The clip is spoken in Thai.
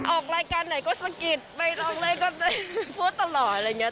ออกรายการไหนก็สกิดออกรายก็พูดตลอดอะไรอย่างนี้